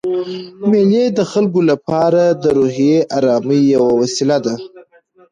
مېلې د خلکو له پاره د روحي آرامۍ یوه وسیله ده.